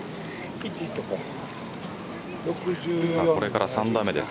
これから３打目です。